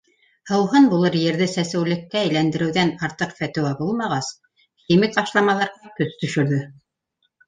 Һыуһын булыр ерҙе сәсеүлеккә әйләндереүҙән артыҡ фәтеүә булмағас, химик ашламаларға көс төшөрҙө.